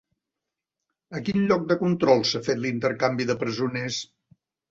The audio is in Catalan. A quin lloc de control s'ha fet l'intercanvi de presoners?